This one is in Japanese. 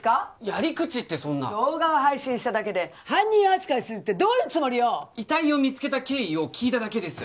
やり口ってそんな動画を配信しただけで犯人扱いするってどういうつもりよ遺体を見つけた経緯を聞いただけです